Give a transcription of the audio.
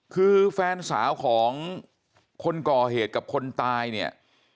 คือแฟนสาวของคนก่อเหตุกับคนตายเนี่ย